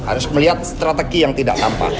harus melihat strategi yang tidak tampak